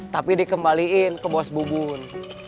tapi dikembaliin ke bos bubun